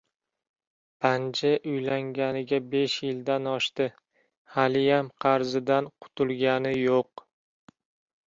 Panji uylanganiga besh yildan oshdi! Haliyam qarzidan qutulgani yo‘q!